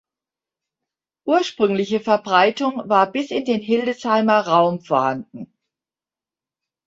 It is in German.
Ursprüngliche Verbreitung war bis in den Hildesheimer Raum vorhanden.